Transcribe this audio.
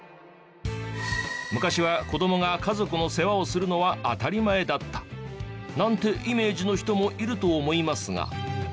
昔は子どもが家族の世話をするのは当たり前だった。なんてイメージの人もいると思いますが。